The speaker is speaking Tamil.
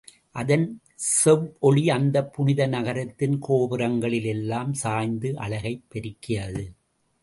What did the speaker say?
அதன் செவ்வொளி அந்தப் புனித நகரத்தின் கோபுரங்களில் எல்லாம் சாய்ந்து அழகைப் பெருக்கியது.